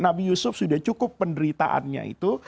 nabi yusuf sudah cukup penderitaannya itu